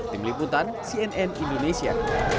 tim liputan cnn indonesia